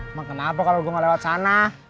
emang kenapa kalau gue gak lewat sana